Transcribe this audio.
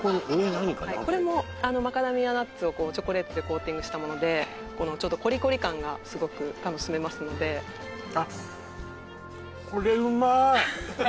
はいこれもあのマカダミアナッツをこうチョコレートでコーティングしたものでこのちょうどコリコリ感がすごく楽しめますのであっ